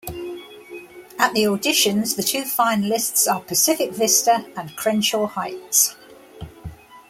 At the auditions, the two finalists are Pacific Vista and Crenshaw Heights.